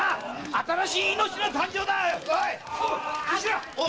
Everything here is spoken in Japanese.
新しい命の誕生だぁ‼頭っ！